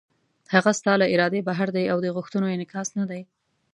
هغه ستا له ارادې بهر دی او د غوښتنو انعکاس نه دی.